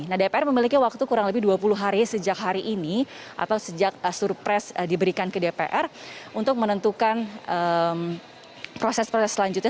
nah dpr memiliki waktu kurang lebih dua puluh hari sejak hari ini atau sejak surpres diberikan ke dpr untuk menentukan proses proses selanjutnya